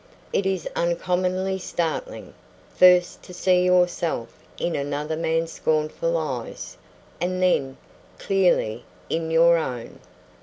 It is uncommonly startling, first to see yourself in another man's scornful eyes, and then, clearly, in your own.